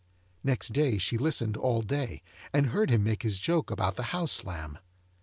Next day she listened all day, and heard him make his joke about the house lamb.